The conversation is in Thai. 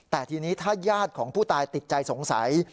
แต่ทีนี้ถ้าญาติของผู้ตายติดใจสงสัย